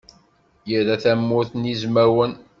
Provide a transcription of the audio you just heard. Ira Tamurt n Yizwawen.